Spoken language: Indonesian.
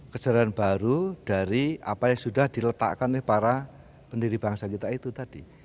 kecerdaan baru dari apa yang sudah diletakkan oleh para pendiri bangsa kita itu tadi